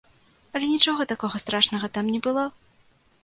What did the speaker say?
Але нічога такога страшнага там не было.